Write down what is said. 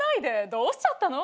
「どうしちゃったの？